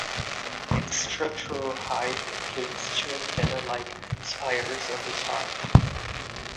Its structural height includes two antenna-like spires on the top.